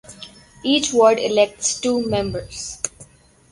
Each ward elects two members.